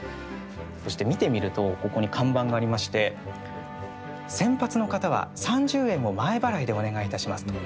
そして、見てみるとここに看板がありまして「洗髪の方は３０円を前払いでお願いいたします」と。